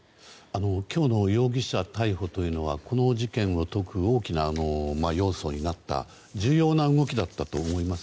今日の容疑者逮捕というのはこの事件の特に大きな要素になった重要な動きだったと思います。